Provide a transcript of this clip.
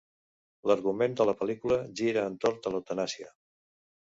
L'argument de la pel·lícula gira entorn de l'eutanàsia.